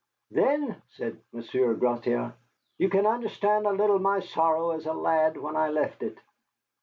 "Then," said Monsieur Gratiot, "you can understand a little my sorrow as a lad when I left it.